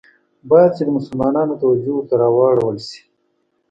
باید چي د مسلمانانو توجه ورته راوړوله سي.